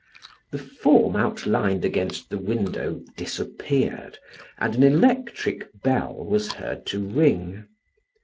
The form outlined against the window disappeared and an electric bell was heard to ring.